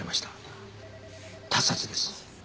他殺です。